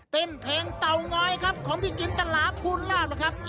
เพลงเตางอยครับของพี่จินตลาภูนลาบนะครับ